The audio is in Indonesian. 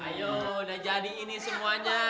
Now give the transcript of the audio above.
ayo udah jadi ini semuanya